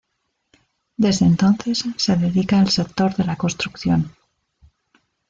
Desde entonces se dedica al sector de la construcción.